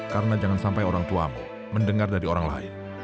karena jangan sampai orang tuamu mendengar dari orang lain